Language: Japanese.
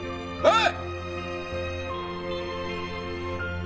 はい！